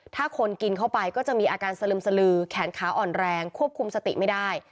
ถ้าคนกินเข้าไปก็จะมีอาการสลึมสลือแขนขาอ่อนแรงควบคุมสติไม่ได้